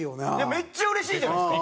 めっちゃうれしいじゃないですか。